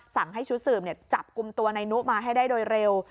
สั่งให้ชุดสืบจับกลุ่มตัวนายนุมาให้ได้โดยเร็ว